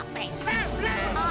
pengen nyu kan